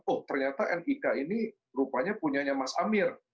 oh ternyata nik ini rupanya punyanya mas amir